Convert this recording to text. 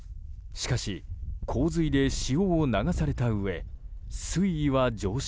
しかし洪水で塩を流されたうえ水位は上昇。